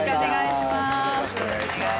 よろしくお願いします。